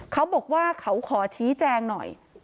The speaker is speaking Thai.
เขาบอกว่าเขาขอชี้แจงหน่อย